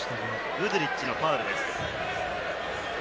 グドゥリッチのファウルです。